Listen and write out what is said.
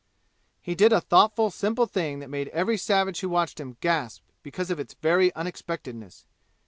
He did a thoughtful simple thing that made every savage who watched him gasp because of its very unexpectedness.